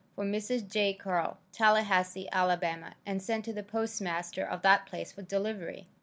for Mrs. J. Carl, Tallahassee, Ala., and sent to the postmaster of that place for delivery.